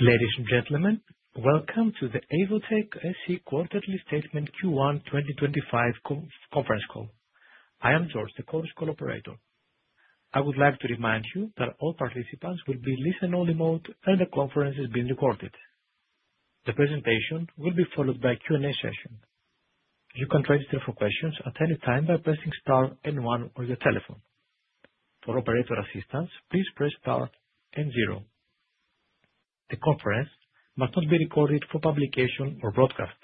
Ladies and gentlemen, welcome to the Evotec SE Quarterly Statement Q1 2025 conference call. I am George, the call's cooperator. I would like to remind you that all participants will be in listen-only mode, and the conference is being recorded. The presentation will be followed by a Q&A session. You can register for questions at any time by pressing Star and one on your telephone. For operator assistance, please press Star and zero. The conference must not be recorded for publication or broadcast.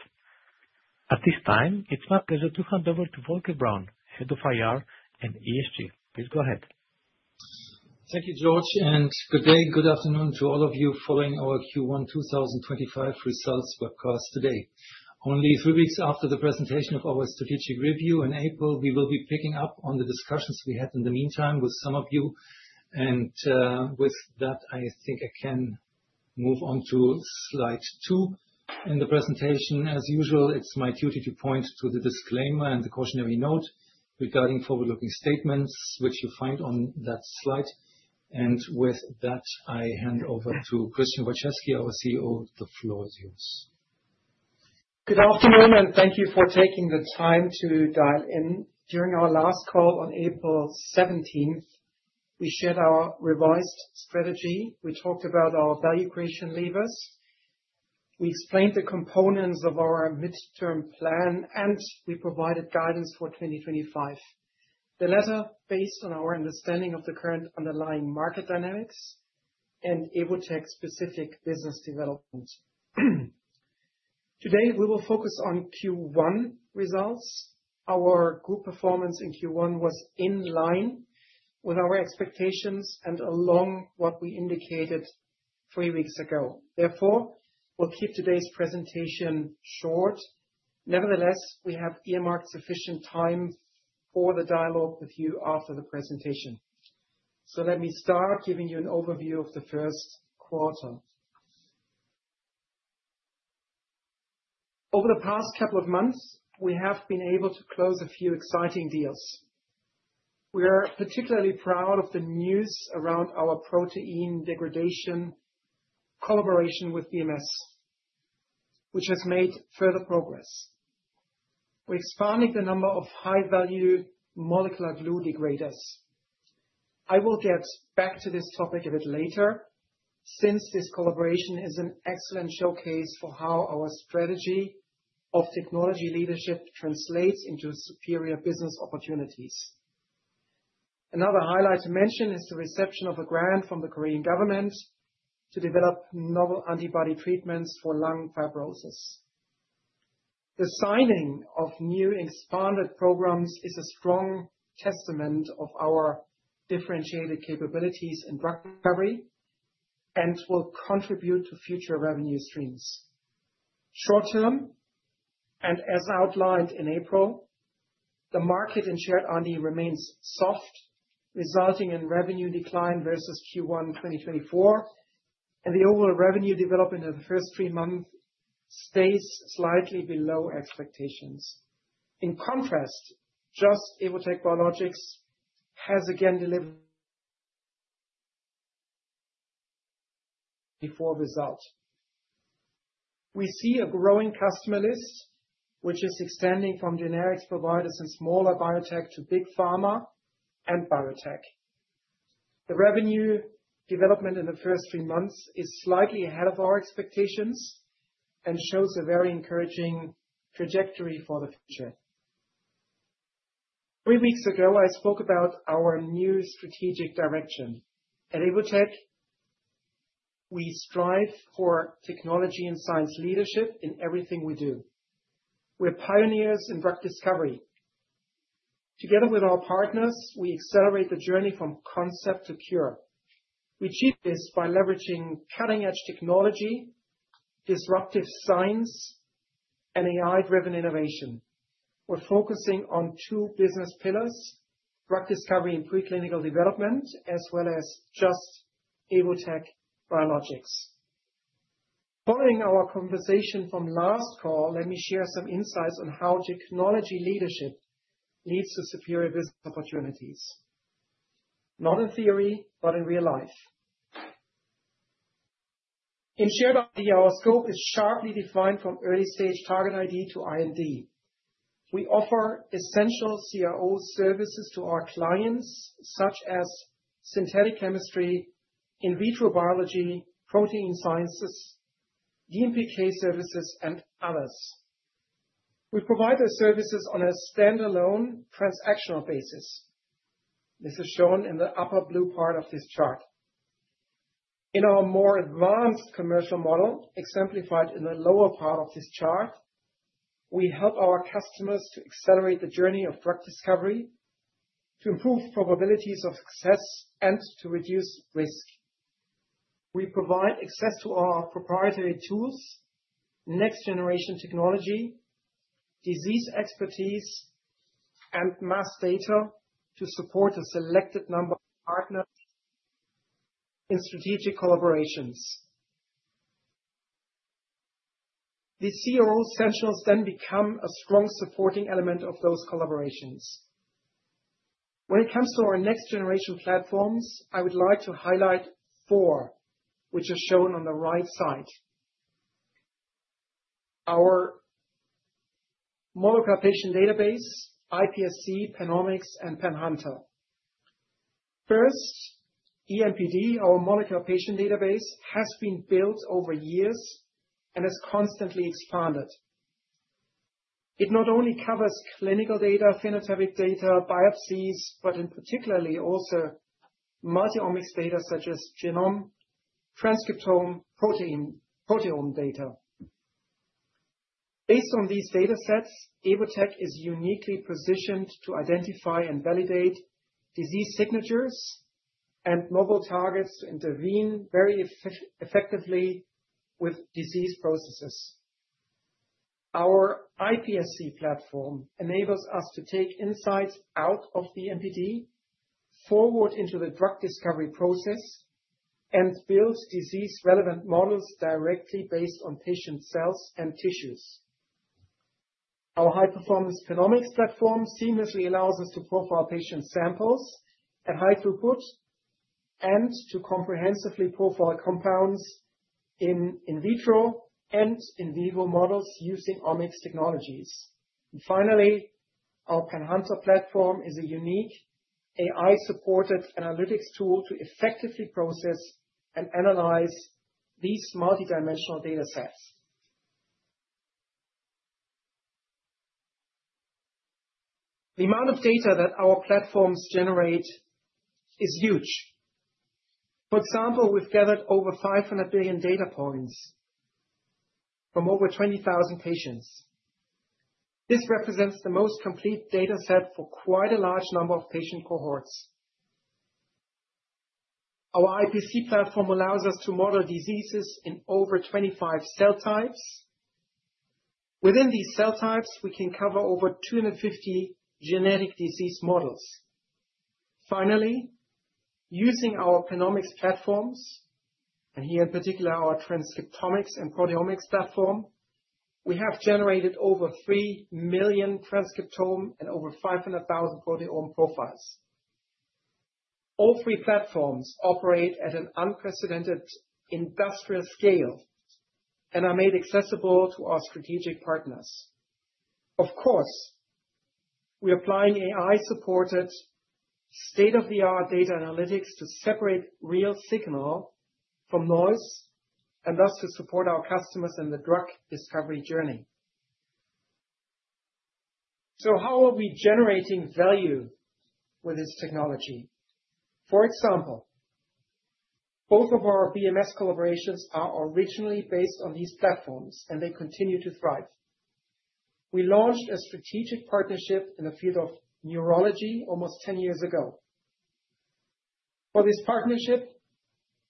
At this time, it is my pleasure to hand over to Volker Braun, Head of IR and ESG. Please go ahead. Thank you, George, and good day, good afternoon to all of you following our Q1 2025 results webcast today. Only three weeks after the presentation of our strategic review in April, we will be picking up on the discussions we had in the meantime with some of you. I think I can move on to slide two in the presentation. As usual, it is my duty to point to the disclaimer and the cautionary note regarding forward-looking statements, which you find on that slide. With that, I hand over to Christian Wojczewski, our CEO. The floor is yours. Good afternoon, and thank you for taking the time to dial in. During our last call on April 17, we shared our revised strategy. We talked about our value creation levers. We explained the components of our midterm plan, and we provided guidance for 2025. The latter is based on our understanding of the current underlying market dynamics and Evotec's specific business development. Today, we will focus on Q1 results. Our group performance in Q1 was in line with our expectations and along what we indicated three weeks ago. Therefore, we'll keep today's presentation short. Nevertheless, we have earmarked sufficient time for the dialogue with you after the presentation. Let me start giving you an overview of the first quarter. Over the past couple of months, we have been able to close a few exciting deals. We are particularly proud of the news around our protein degradation collaboration with BMS, which has made further progress. We're expanding the number of high-value molecular glue degraders. I will get back to this topic a bit later since this collaboration is an excellent showcase for how our strategy of technology leadership translates into superior business opportunities. Another highlight to mention is the reception of a grant from the Korean government to develop novel antibody treatments for lung fibrosis. The signing of new expanded programs is a strong testament to our differentiated capabilities in drug discovery and will contribute to future revenue streams. Short term, and as outlined in April, the market in shared R&D remains soft, resulting in revenue decline versus Q1 2024, and the overall revenue development of the first three months stays slightly below expectations. In contrast, Just Evotec Biologics has again delivered a forward result. We see a growing customer list, which is extending from generics providers and smaller biotech to big pharma and biotech. The revenue development in the first three months is slightly ahead of our expectations and shows a very encouraging trajectory for the future. Three weeks ago, I spoke about our new strategic direction. At Evotec, we strive for technology and science leadership in everything we do. We're pioneers in drug discovery. Together with our partners, we accelerate the journey from concept to cure. We achieve this by leveraging cutting-edge technology, disruptive science, and AI-driven innovation. We're focusing on two business pillars: drug discovery and preclinical development, as well as Just Evotec Biologics. Following our conversation from last call, let me share some insights on how technology leadership leads to superior business opportunities, not in theory, but in real life. In shared R&D, our scope is sharply defined from early-stage target ID to IND. We offer essential CRO services to our clients, such as synthetic chemistry, in vitro biology, protein sciences, DMPK services, and others. We provide the services on a standalone transactional basis. This is shown in the upper blue part of this chart. In our more advanced commercial model, exemplified in the lower part of this chart, we help our customers to accelerate the journey of drug discovery, to improve probabilities of success, and to reduce risk. We provide access to our proprietary tools, next-generation technology, disease expertise, and mass data to support a selected number of partners in strategic collaborations. The CRO centrals then become a strong supporting element of those collaborations. When it comes to our next-generation platforms, I would like to highlight four, which are shown on the right side: our molecular patient database, iPSC, Panomics, and Panhantel. First, EMPD, our molecular patient database, has been built over years and is constantly expanded. It not only covers clinical data, phenotypic data, biopsies, but particularly also multi-omics data such as genome, transcriptome, and proteome data. Based on these datasets, Evotec is uniquely positioned to identify and validate disease signatures and novel targets to intervene very effectively with disease processes. Our iPSC platform enables us to take insights out of the EMPD forward into the drug discovery process and build disease-relevant models directly based on patient cells and tissues. Our high-performance Panomics platform seamlessly allows us to profile patient samples at high throughput and to comprehensively profile compounds in in vitro and in vivo models using omics technologies. Finally, our Panhantel platform is a unique AI-supported analytics tool to effectively process and analyze these multidimensional datasets. The amount of data that our platforms generate is huge. For example, we've gathered over 500 billion data points from over 20,000 patients. This represents the most complete dataset for quite a large number of patient cohorts. Our iPSC platform allows us to model diseases in over 25 cell types. Within these cell types, we can cover over 250 genetic disease models. Finally, using our panomics platforms, and here in particular our transcriptomics and proteomics platform, we have generated over 3 million transcriptome and over 500,000 proteome profiles. All three platforms operate at an unprecedented industrial scale and are made accessible to our strategic partners. Of course, we're applying AI-supported state-of-the-art data analytics to separate real signal from noise and thus to support our customers in the drug discovery journey. How are we generating value with this technology? For example, both of our BMS collaborations are originally based on these platforms, and they continue to thrive. We launched a strategic partnership in the field of neurology almost 10 years ago. For this partnership,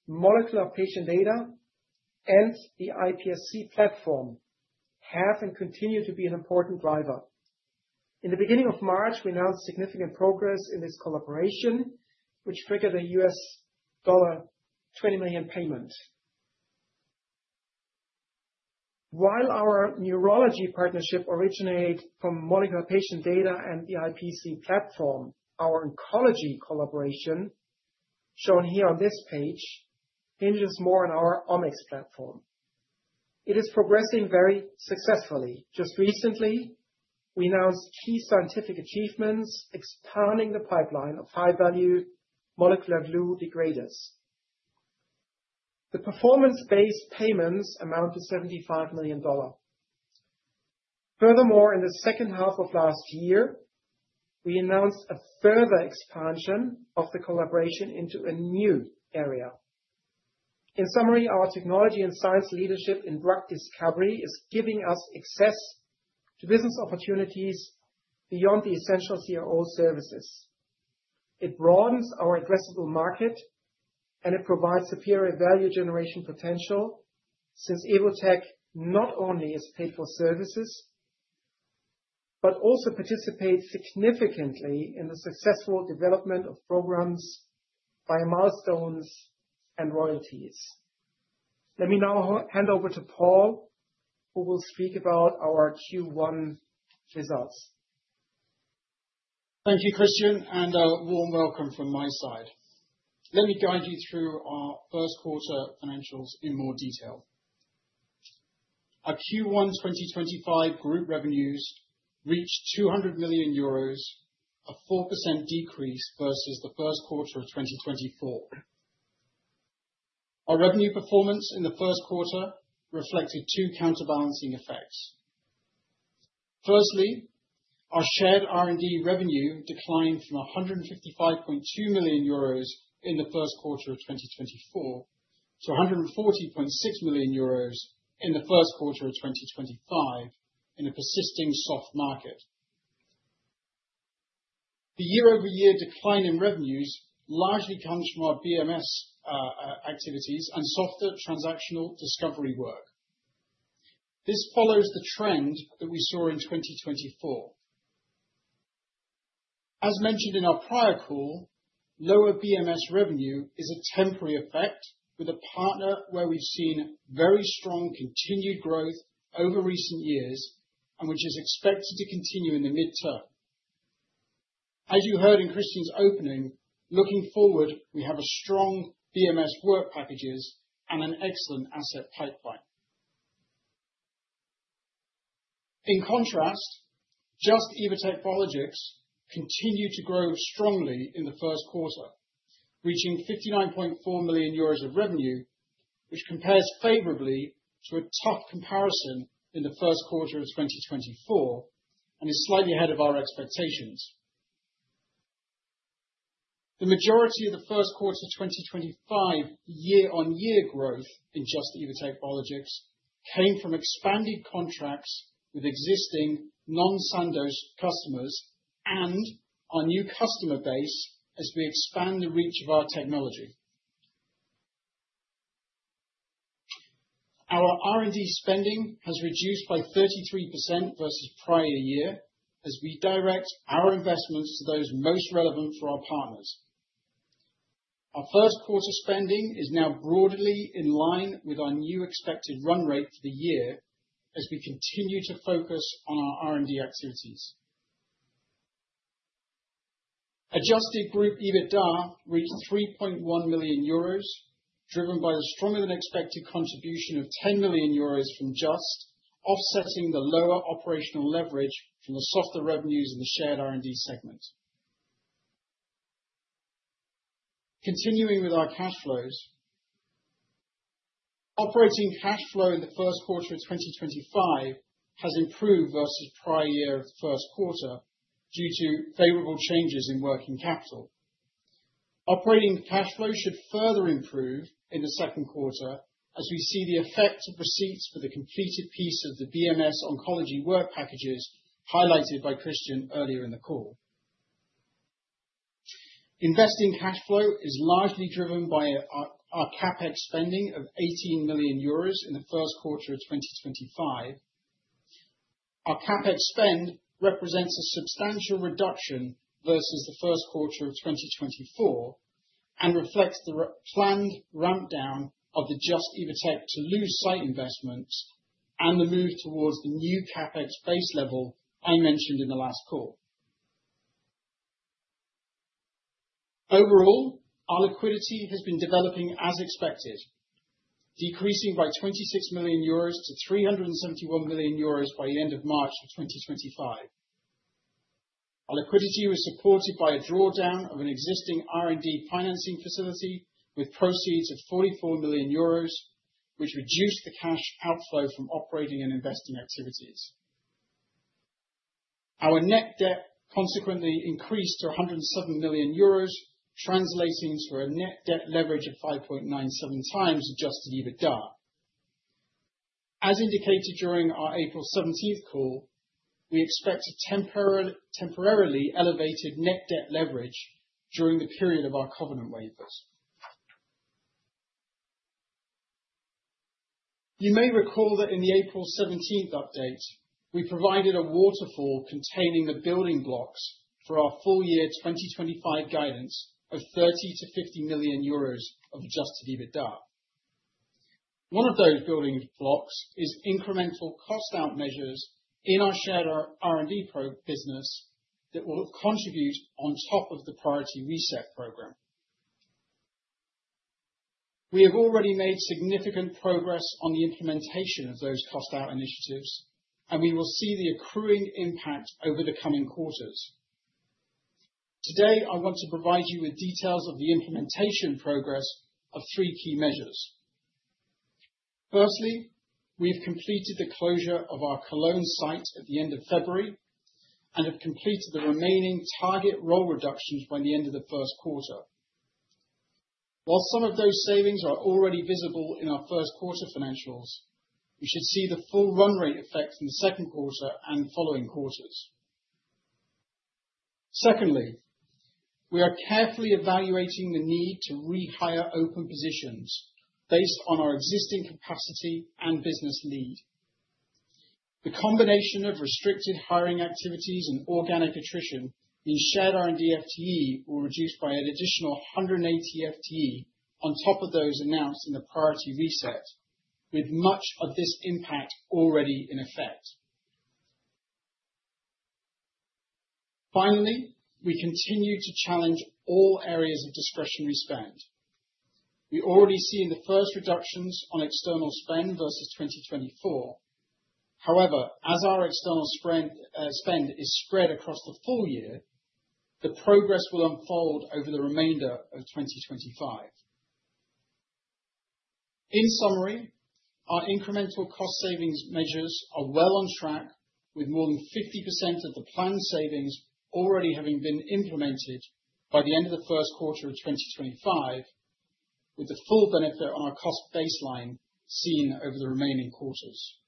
molecular patient data and the iPSC platform have and continue to be an important driver. In the beginning of March, we announced significant progress in this collaboration, which triggered a $20 million payment. While our neurology partnership originated from molecular patient data and the iPSC platform, our oncology collaboration, shown here on this page, hinges more on our omics platform. It is progressing very successfully. Just recently, we announced key scientific achievements expanding the pipeline of high-value molecular glue degraders. The performance-based payments amount to $75 million. Furthermore, in the second half of last year, we announced a further expansion of the collaboration into a new area. In summary, our technology and science leadership in drug discovery is giving us access to business opportunities beyond the essential CRO services. It broadens our addressable market, and it provides superior value generation potential since Evotec not only is paid for services but also participates significantly in the successful development of programs via milestones and royalties. Let me now hand over to Paul, who will speak about our Q1 results. Thank you, Christian, and a warm welcome from my side. Let me guide you through our first quarter financials in more detail. Our Q1 2025 group revenues reached 200 million euros, a 4% decrease versus the first quarter of 2024. Our revenue performance in the first quarter reflected two counterbalancing effects. Firstly, our shared R&D revenue declined from 155.2 million euros in the first quarter of 2024 to 140.6 million euros in the first quarter of 2025 in a persisting soft market. The year-over-year decline in revenues largely comes from our BMS activities and softer transactional discovery work. This follows the trend that we saw in 2024. As mentioned in our prior call, lower BMS revenue is a temporary effect with a partner where we've seen very strong continued growth over recent years and which is expected to continue in the midterm. As you heard in Christian's opening, looking forward, we have strong BMS work packages and an excellent asset pipeline. In contrast, Just Evotec Biologics continued to grow strongly in the first quarter, reaching 59.4 million euros of revenue, which compares favorably to a tough comparison in the first quarter of 2024 and is slightly ahead of our expectations. The majority of the first quarter 2025 year-on-year growth in Just Evotec Biologics came from expanded contracts with existing non-Sandoz customers and our new customer base as we expand the reach of our technology. Our R&D spending has reduced by 33% versus prior year as we direct our investments to those most relevant for our partners. Our first quarter spending is now broadly in line with our new expected run rate for the year as we continue to focus on our R&D activities. Adjusted group EBITDA reached 3.1 million euros, driven by the stronger-than-expected contribution of 10 million euros from Just Evotec Biologics, offsetting the lower operational leverage from the softer revenues in the shared R&D segment. Continuing with our cash flows, operating cash flow in the first quarter of 2025 has improved versus prior year of the first quarter due to favorable changes in working capital. Operating cash flow should further improve in the second quarter as we see the effect of receipts for the completed piece of the BMS oncology work packages highlighted by Christian earlier in the call. Investing cash flow is largely driven by our CapEx spending of 18 million euros in the first quarter of 2025. Our CapEx spend represents a substantial reduction versus the first quarter of 2024 and reflects the planned ramp-down of the Just Evotec Biologics site investments and the move towards the new CapEx base level I mentioned in the last call. Overall, our liquidity has been developing as expected, decreasing by 26 million-371 million euros by the end of March of 2025. Our liquidity was supported by a drawdown of an existing R&D financing facility with proceeds of 44 million euros, which reduced the cash outflow from operating and investing activities. Our net debt consequently increased to 107 million euros, translating to a net debt leverage of 5.97 times adjusted EBITDA. As indicated during our April 17 call, we expect a temporarily elevated net debt leverage during the period of our covenant waivers. You may recall that in the April 17 update, we provided a waterfall containing the building blocks for our full year 2025 guidance of 30 million-50 million euros of adjusted EBITDA. One of those building blocks is incremental cost-out measures in our shared R&D business that will contribute on top of the priority reset program. We have already made significant progress on the implementation of those cost-out initiatives, and we will see the accruing impact over the coming quarters. Today, I want to provide you with details of the implementation progress of three key measures. Firstly, we have completed the closure of our Cologne site at the end of February and have completed the remaining target role reductions by the end of the first quarter. While some of those savings are already visible in our first quarter financials, we should see the full run rate effect in the second quarter and following quarters. Secondly, we are carefully evaluating the need to rehire open positions based on our existing capacity and business lead. The combination of restricted hiring activities and organic attrition in shared R&D FTE will reduce by an additional 180 FTE on top of those announced in the priority reset, with much of this impact already in effect. Finally, we continue to challenge all areas of discretionary spend. We already see the first reductions on external spend versus 2024. However, as our external spend is spread across the full year, the progress will unfold over the remainder of 2025. In summary, our incremental cost savings measures are well on track, with more than 50% of the planned savings already having been implemented by the end of the first quarter of 2025, with the full benefit on our cost baseline seen over the remaining quarters.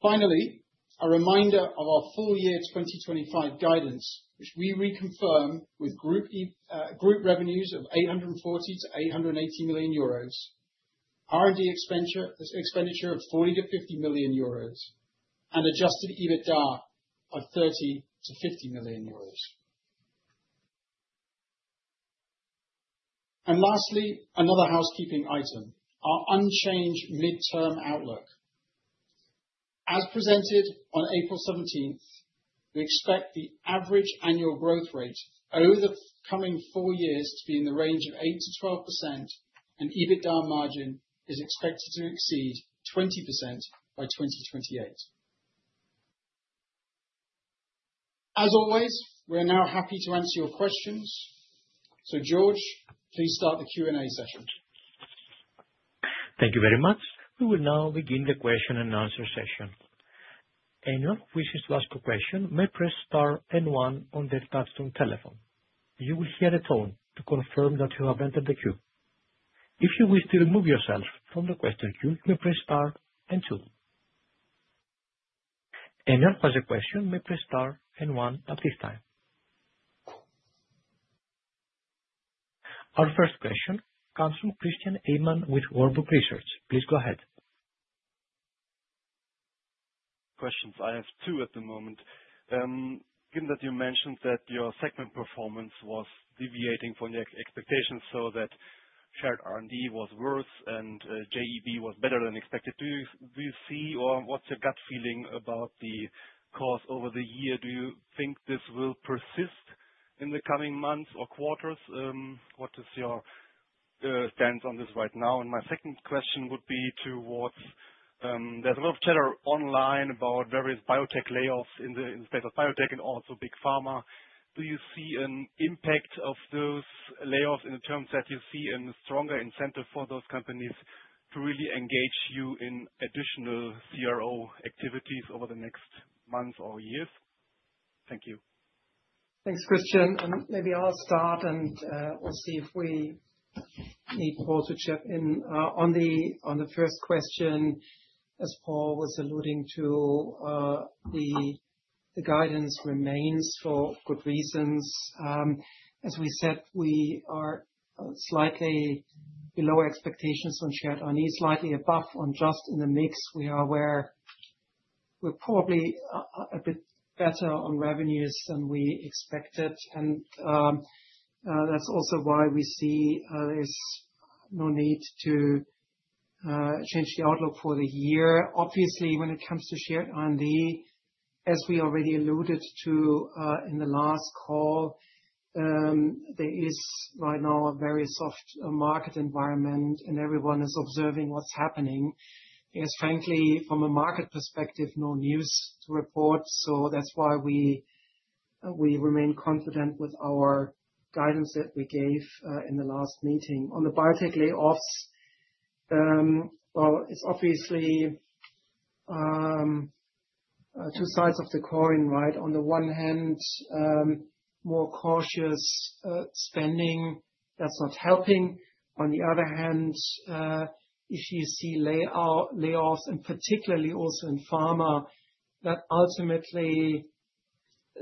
Finally, a reminder of our full year 2025 guidance, which we reconfirm with group revenues of 840 million-880 million euros, R&D expenditure of 40 million-50 million euros, and adjusted EBITDA of 30 million-50 million euros. Lastly, another housekeeping item: our unchanged midterm outlook. As presented on April 17, we expect the average annual growth rate over the coming four years to be in the range of 8%-12%, and EBITDA margin is expected to exceed 20% by 2028. As always, we are now happy to answer your questions. George, please start the Q&A session. Thank you very much. We will now begin the question and answer session. Anyone who wishes to ask a question may press star and one on their touchscreen telephone. You will hear a tone to confirm that you have entered the queue. If you wish to remove yourself from the question queue, you may press star and two. Anyone who has a question may press star and one at this time. Our first question comes from Christian Ehmann with Warbug Research. Please go ahead. Questions. I have two at the moment. Given that you mentioned that your segment performance was deviating from the expectations so that Shared R&D was worse and Just Evotec Biologics was better than expected, do you see or what's your gut feeling about the course over the year? Do you think this will persist in the coming months or quarters? What is your stance on this right now? My second question would be towards there's a lot of chatter online about various biotech layoffs in the space of biotech and also big pharma. Do you see an impact of those layoffs in the terms that you see a stronger incentive for those companies to really engage you in additional CRO activities over the next months or years? Thank you. Thanks, Christian. Maybe I'll start, and we'll see if we need Paul to chip in. On the first question, as Paul was alluding to, the guidance remains for good reasons. As we said, we are slightly below expectations on shared R&D, slightly above on just in the mix. We are probably a bit better on revenues than we expected. That's also why we see there's no need to change the outlook for the year. Obviously, when it comes to shared R&D, as we already alluded to in the last call, there is right now a very soft market environment, and everyone is observing what's happening. Frankly, from a market perspective, there is no news to report. That's why we remain confident with our guidance that we gave in the last meeting. On the biotech layoffs, it's obviously two sides of the coin, right? On the one hand, more cautious spending, that's not helping. On the other hand, if you see layoffs, and particularly also in pharma, that ultimately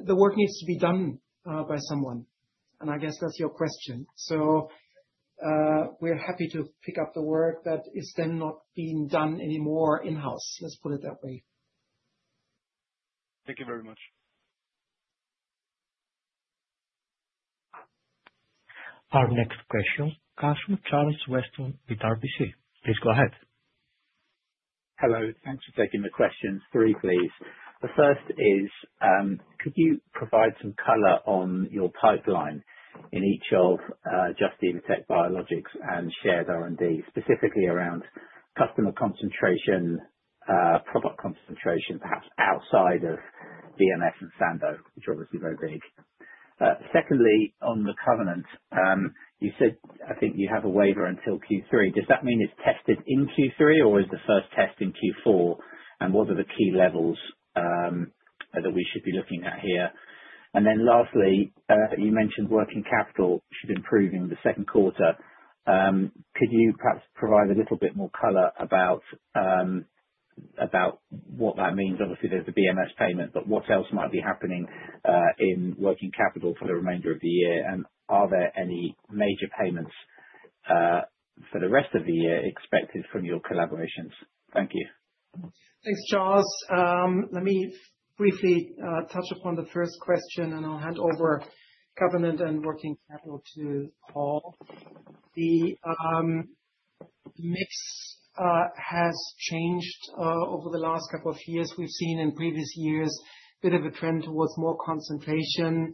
the work needs to be done by someone. I guess that's your question. We're happy to pick up the work that is then not being done anymore in-house. Let's put it that way. Thank you very much. Our next question comes from Charles Weston with RBC. Please go ahead. Hello. Thanks for taking the questions. Three, please. The first is, could you provide some color on your pipeline in each of Just Evotec Biologics and Shared R&D, specifically around customer concentration, product concentration, perhaps outside of BMS and Sandoz, which are obviously very big? Secondly, on the covenant, you said I think you have a waiver until Q3. Does that mean it's tested in Q3, or is the first test in Q4? What are the key levels that we should be looking at here? Lastly, you mentioned working capital should improve in the second quarter. Could you perhaps provide a little bit more color about what that means? Obviously, there's the BMS payment, but what else might be happening in working capital for the remainder of the year? Are there any major payments for the rest of the year expected from your collaborations? Thank you. Thanks, Charles. Let me briefly touch upon the first question, and I'll hand over covenant and working capital to Paul. The mix has changed over the last couple of years. We've seen in previous years a bit of a trend towards more concentration,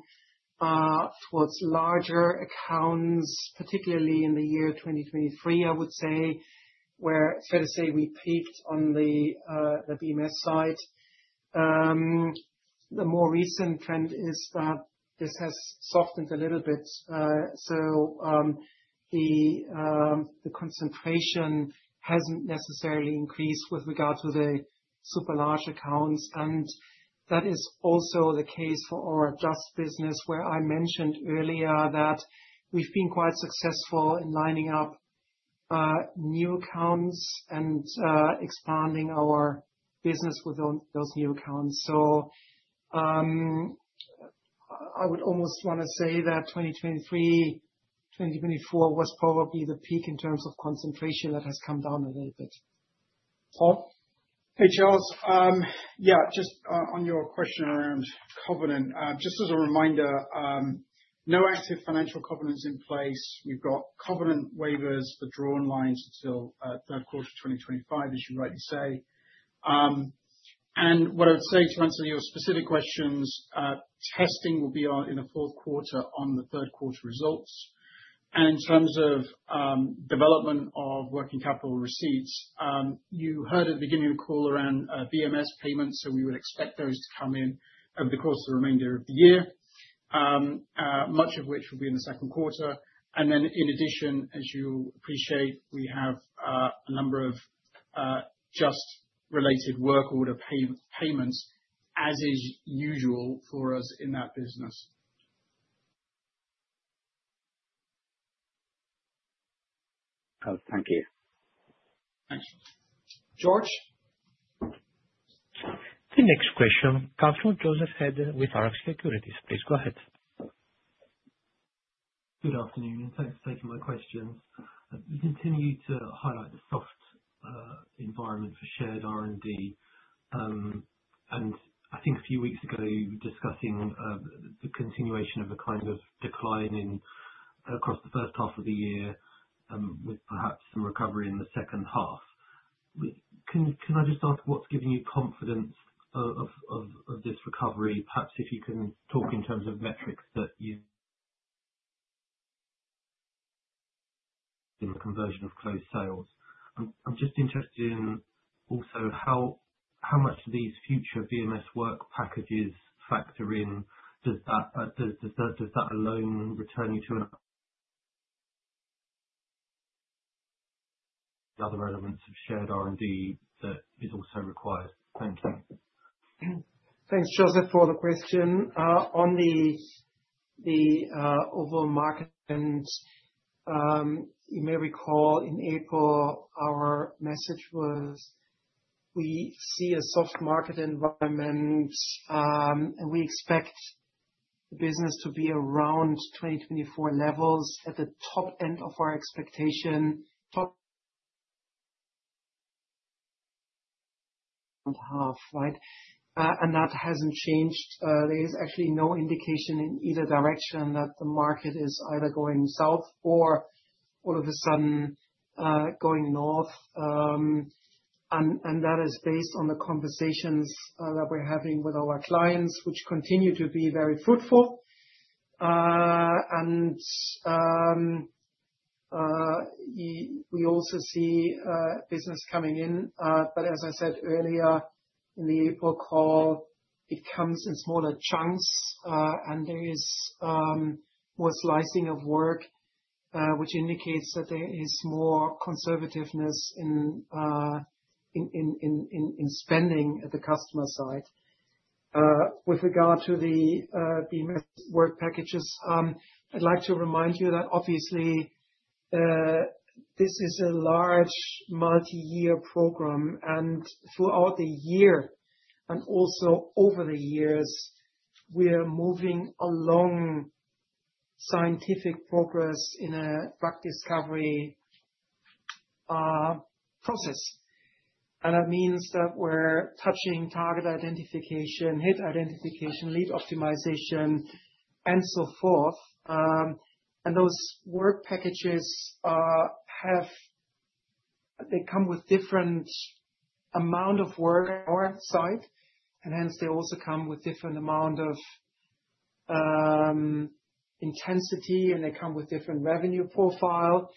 towards larger accounts, particularly in the year 2023, I would say, where fair to say we peaked on the BMS side. The more recent trend is that this has softened a little bit. The concentration hasn't necessarily increased with regard to the super large accounts. That is also the case for our Just Evotec Biologics business, where I mentioned earlier that we've been quite successful in lining up new accounts and expanding our business with those new accounts. I would almost want to say that 2023, 2024 was probably the peak in terms of concentration that has come down a little bit. Paul? Hey, Charles. Yeah, just on your question around covenant, just as a reminder, no active financial covenants in place. We have covenant waivers for drawn lines until third quarter 2025, as you rightly say. What I would say to answer your specific questions, testing will be in the fourth quarter on the third quarter results. In terms of development of working capital receipts, you heard at the beginning of the call around BMS payments, so we would expect those to come in over the course of the remainder of the year, much of which will be in the second quarter. In addition, as you appreciate, we have a number of Just related work order payments, as is usual for us in that business. Thank you. Thanks. George. The next question, comes from Joseph Head with Arc Securities. Please go ahead. Good afternoon. Thanks for taking my question. You continue to highlight the soft environment for shared R&D. I think a few weeks ago, you were discussing the continuation of a kind of decline across the first half of the year with perhaps some recovery in the second half. Can I just ask what is giving you confidence of this recovery? Perhaps if you can talk in terms of metrics that you use in the conversion of closed sales. I am just interested in also how much of these future BMS work packages factor in. Does that alone return you to the other elements of shared R&D that are also required? Thank you. Thanks, Joseph, for the question. On the overall market, you may recall in April, our message was we see a soft market environment, and we expect the business to be around 2024 levels at the top end of our expectation, top half, right? That has not changed. There is actually no indication in either direction that the market is either going south or all of a sudden going north. That is based on the conversations that we are having with our clients, which continue to be very fruitful. We also see business coming in. As I said earlier in the April call, it comes in smaller chunks, and there is more slicing of work, which indicates that there is more conservativeness in spending at the customer side. With regard to the BMS work packages, I would like to remind you that obviously this is a large multi-year program. Throughout the year and also over the years, we are moving along scientific progress in a drug discovery process. That means that we're touching target identification, hit identification, lead optimization, and so forth. Those work packages, they come with a different amount of work on our side, and hence they also come with a different amount of intensity, and they come with a different revenue profile.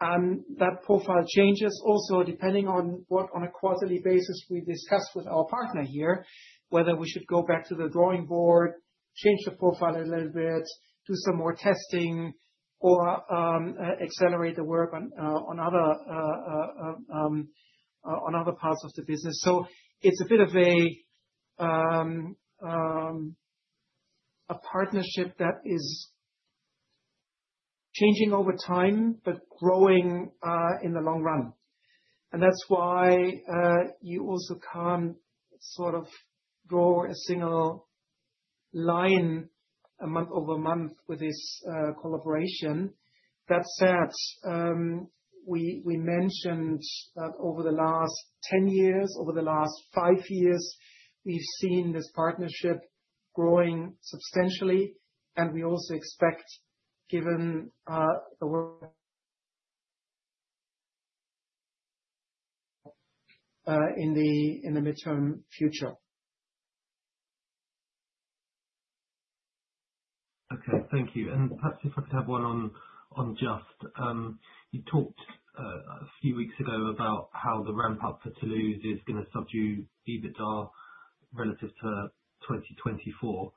That profile changes also depending on what on a quarterly basis we discuss with our partner here, whether we should go back to the drawing board, change the profile a little bit, do some more testing, or accelerate the work on other parts of the business. It is a bit of a partnership that is changing over time, but growing in the long run. That is why you also cannot sort of draw a single line month over month with this collaboration. That said, we mentioned that over the last 10 years, over the last five years, we have seen this partnership growing substantially, and we also expect, given the work in the midterm future. Okay. Thank you. Perhaps if I could have one on Just. You talked a few weeks ago about how the ramp-up for Toulouse is going to subdue Evotec relative to 2024.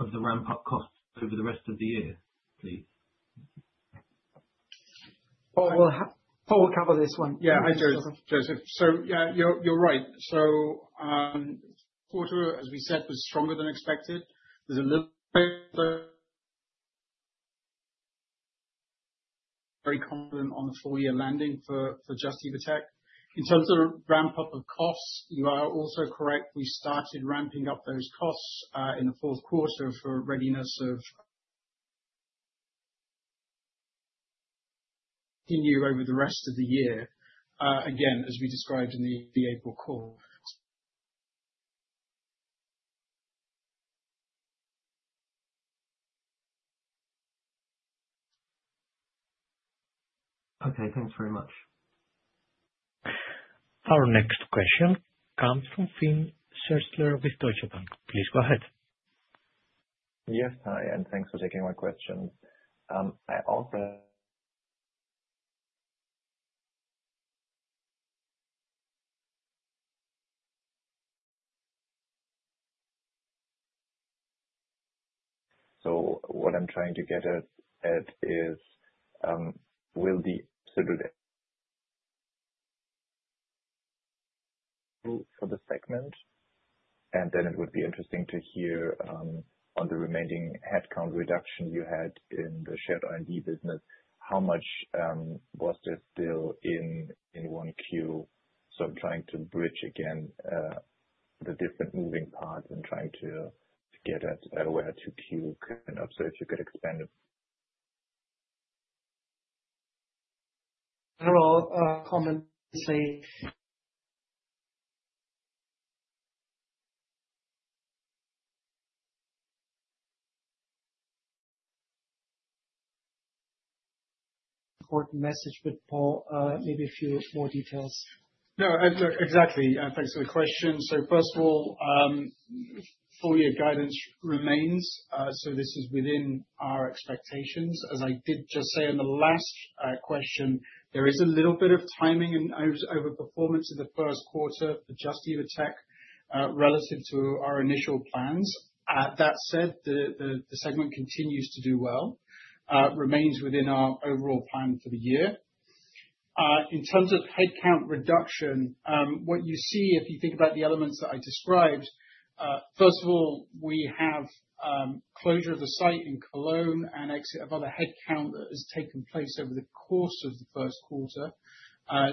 Of the ramp-up costs over the rest of the year, please. Paul will cover this one. Yeah, I'm sorry, Joseph. Yeah, you're right. Quarter, as we said, was stronger than expected. There's a little bit of very confident on the full-year landing for Just Evotec Biologics. In terms of ramp-up of costs, you are also correct. We started ramping up those costs in the fourth quarter for readiness of continuing over the rest of the year, again, as we described in the April call. Okay. Thanks very much. Our next question comes from Finn Sierslev with Deutsche Bank. Please go ahead. Yes, hi, and thanks for taking my question. I also. What I'm trying to get at is, will the segment, and then it would be interesting to hear on the remaining headcount reduction you had in the shared R&D business, how much was there still in Q1? I'm trying to bridge again the different moving parts and trying to get at where Q2 cleaned up. If you could expand. General comment, say. Important message with Paul, maybe a few more details. No, exactly. Thanks for the question. First of all, four-year guidance remains. This is within our expectations. As I did just say in the last question, there is a little bit of timing and overperformance in the first quarter for Just Evotec relative to our initial plans. That said, the segment continues to do well, remains within our overall plan for the year. In terms of headcount reduction, what you see, if you think about the elements that I described, first of all, we have closure of the site in Cologne and exit of other headcount that has taken place over the course of the first quarter. I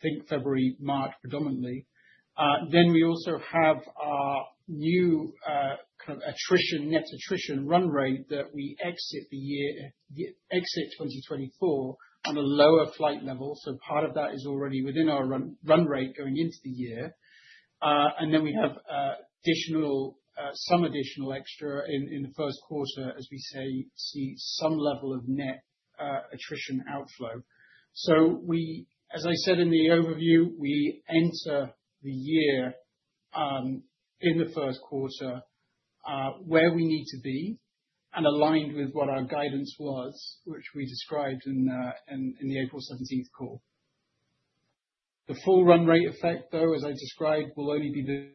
think February, March predominantly. We also have our new kind of attrition, net attrition run rate that we exit the year, exit 2024 on a lower flight level. Part of that is already within our run rate going into the year. We have some additional extra in the first quarter, as we see some level of net attrition outflow. As I said in the overview, we enter the year in the first quarter where we need to be and aligned with what our guidance was, which we described in the April 17th call. The full run rate effect, though, as I described, will only be.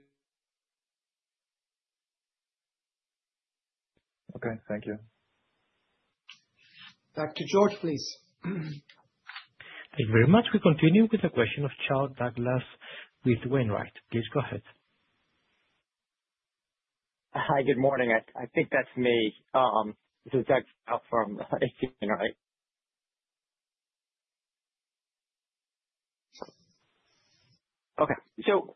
Okay. Thank you. Back to George, please. Thank you very much. We continue with a question of Charles Douglas with Wainwright. Please go ahead. Hi, good morning. I think that's me. This is Doug from AT&T, right? Okay.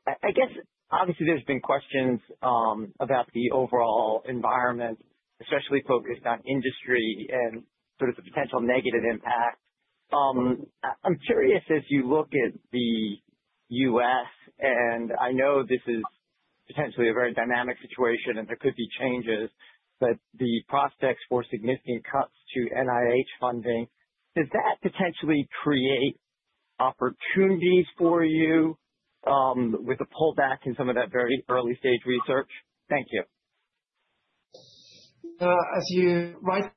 I guess, obviously, there's been questions about the overall environment, especially focused on industry and sort of the potential negative impact. I'm curious, as you look at the U.S., and I know this is potentially a very dynamic situation, and there could be changes, but the prospects for significant cuts to NIH funding, does that potentially create opportunities for you with a pullback in some of that very early-stage research? Thank you. As you right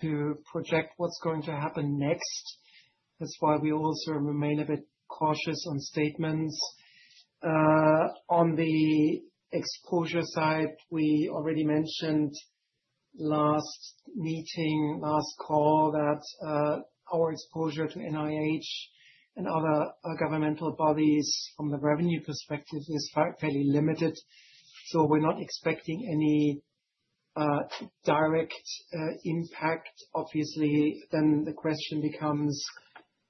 to project what's going to happen next, that's why we also remain a bit cautious on statements. On the exposure side, we already mentioned last meeting, last call, that our exposure to NIH and other governmental bodies from the revenue perspective is fairly limited. So we're not expecting any direct impact. Obviously, the question becomes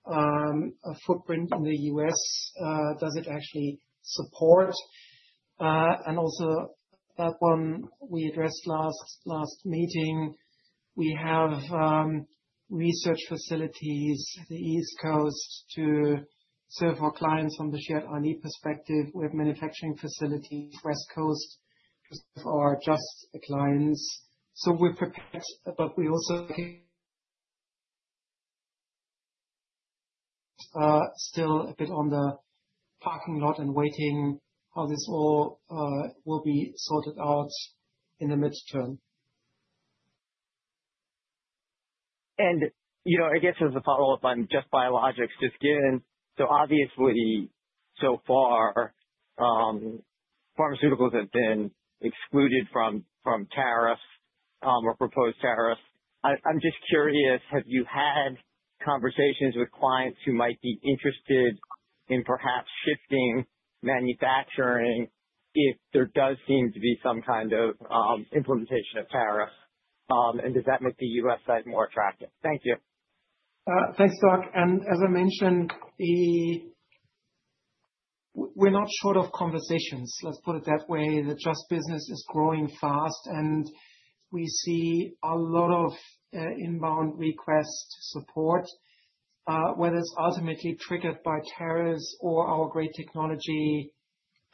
a footprint in the U.S., does it actually support? Also, that one we addressed last meeting. We have research facilities at the East Coast to serve our clients from the shared R&D perspective. We have manufacturing facilities West Coast for our Just clients. We are prepared, but we also are still a bit on the parking lot and waiting how this all will be sorted out in the midterm. I guess as a follow-up on just biologics, just given so obviously, so far, pharmaceuticals have been excluded from tariffs or proposed tariffs. I'm just curious, have you had conversations with clients who might be interested in perhaps shifting manufacturing if there does seem to be some kind of implementation of tariffs? Does that make the US side more attractive? Thank you. Thanks, Doc. As I mentioned, we're not short of conversations. Let's put it that way. The Just Evotec Biologics business is growing fast, and we see a lot of inbound request support. Whether it's ultimately triggered by tariffs or our great technology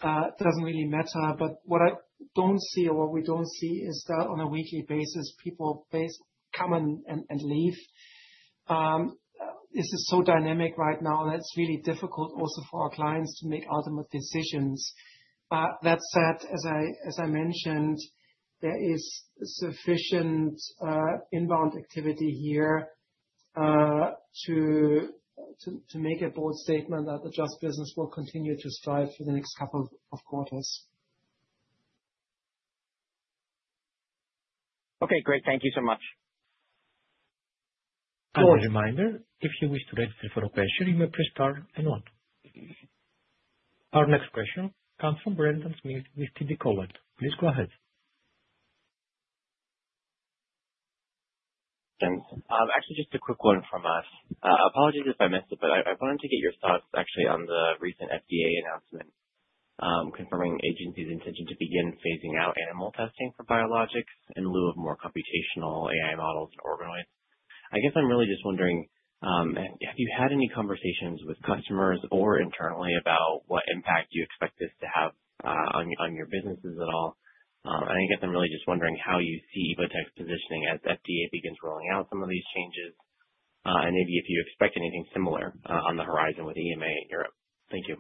doesn't really matter. What I don't see or what we don't see is that on a weekly basis, people come and leave. This is so dynamic right now that it's really difficult also for our clients to make ultimate decisions. That said, as I mentioned, there is sufficient inbound activity here to make a bold statement that the Just Evotec Biologics business will continue to strive for the next couple of quarters. Okay. Great. Thank you so much. As a reminder, if you wish to register for a question, you may press star and one. Our next question comes from Brendan Smith with TD Cowen. Please go ahead. Actually, just a quick one from us. Apologies if I missed it, but I wanted to get your thoughts actually on the recent FDA announcement confirming agencies' intention to begin phasing out animal testing for biologics in lieu of more computational AI models and organoids. I guess I'm really just wondering, have you had any conversations with customers or internally about what impact you expect this to have on your businesses at all? I guess I'm really just wondering how you see Evotec's positioning as FDA begins rolling out some of these changes, and maybe if you expect anything similar on the horizon with EMA in Europe. Thank you.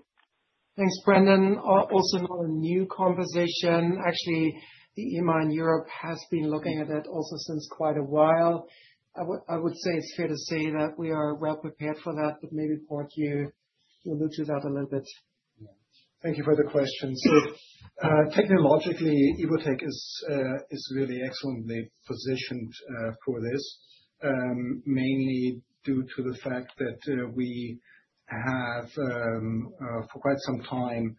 Thanks, Brendan. Also not a new conversation. Actually, EMA in Europe has been looking at it also since quite a while. I would say it's fair to say that we are well prepared for that, but maybe Paul, you allude to that a little bit. Thank you for the question. Technologically, Evotec is really excellently positioned for this, mainly due to the fact that we have, for quite some time,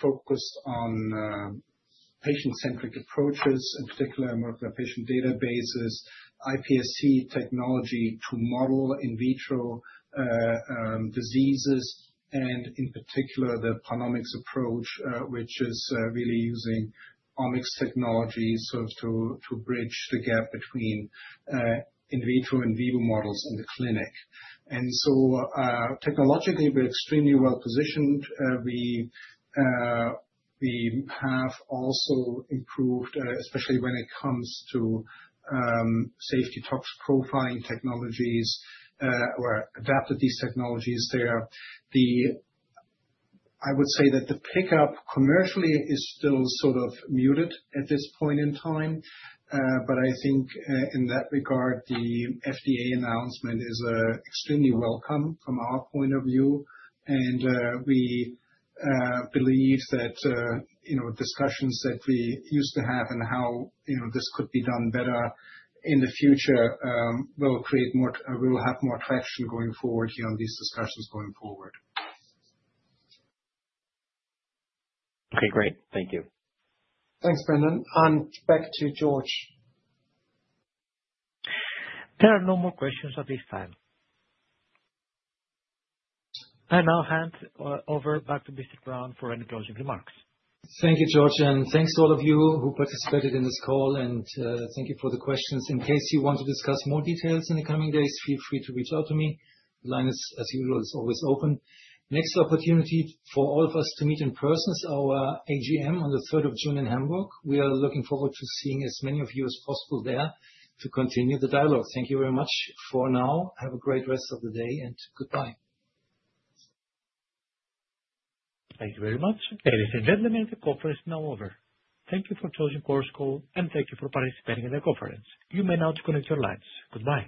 focused on patient-centric approaches, in particular, more of the patient databases, iPSC technology to model in vitro diseases, and in particular, the Panomics approach, which is really using omics technology to bridge the gap between in vitro and in vivo models in the clinic. Technologically, we are extremely well positioned. We have also improved, especially when it comes to safety tox profiling technologies or adapted these technologies there. I would say that the pickup commercially is still sort of muted at this point in time, but I think in that regard, the FDA announcement is extremely welcome from our point of view. We believe that discussions that we used to have and how this could be done better in the future will have more traction going forward here on these discussions going forward. Okay. Great. Thank you. Thanks, Brendan. And back to George. There are no more questions at this time. I now hand over back to Mr. Braun for any closing remarks. Thank you, George, and thanks to all of you who participated in this call, and thank you for the questions. In case you want to discuss more details in the coming days, feel free to reach out to me. The line is, as usual, always open. Next opportunity for all of us to meet in person is our AGM on the 3rd of June in Hamburg. We are looking forward to seeing as many of you as possible there to continue the dialogue. Thank you very much for now. Have a great rest of the day and goodbye. Thank you very much. Ladies and gentlemen, the conference is now over. Thank you for choosing CORSCO, and thank you for participating in the conference. You may now disconnect your lines. Goodbye.